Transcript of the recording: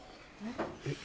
えっ？